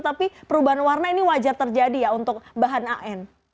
tapi perubahan warna ini wajar terjadi ya untuk bahan an